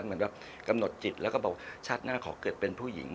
เหมือนแบบกำหนดจิตแล้วก็บอกชาติหน้าขอเกิดเป็นผู้หญิง